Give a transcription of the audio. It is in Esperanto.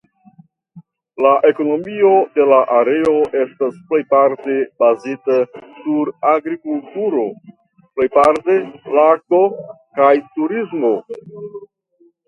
La ekonomio de la areo estas plejparte bazita sur agrikulturo (plejparte lakto) kaj turismo.